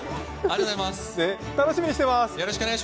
楽しみにしてます。